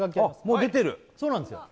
もう出てるそうなんですよ